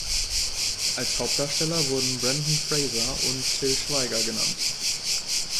Als Hauptdarsteller wurden Brendan Fraser und Til Schweiger genannt.